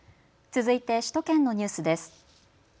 続いて首都圏のニュースです。